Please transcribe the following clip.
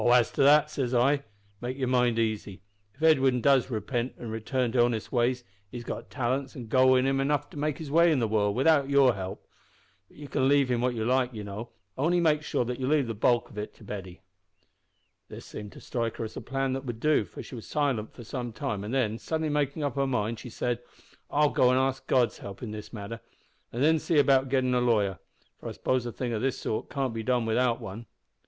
as to that,' says I, `make your mind easy. If Edwin does repent an' turn to honest ways, he's got talents and go enough in him to make his way in the world without help; but you can leave him what you like, you know, only make sure that you leave the bulk of it to Betty.' "This seemed to strike her as a plan that would do, for she was silent for some time, and then, suddenly makin' up her mind, she said, `I'll go and ask God's help in this matter, an' then see about gettin' a lawyer for I suppose a thing o' this sort can't be done without one.'